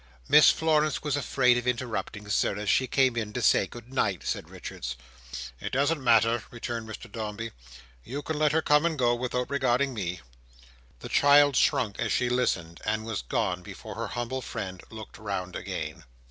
"Miss Florence was afraid of interrupting, Sir, if she came in to say good night," said Richards. "It doesn't matter," returned Mr Dombey. "You can let her come and go without regarding me." The child shrunk as she listened—and was gone, before her humble friend looked round again.